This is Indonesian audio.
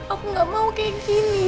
aku gak mau kayak gini